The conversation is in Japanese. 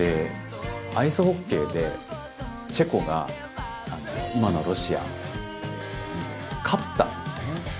アイスホッケーでチェコが今のロシアに勝ったんですね。